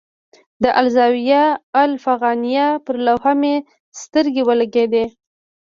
د الزاویة الافغانیه پر لوحه مې سترګې ولګېدې.